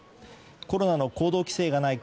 コロナの行動規制がない